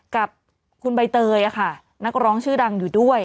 กับคุณใบเตยค่ะนักร้องชื่อดังอยู่ด้วย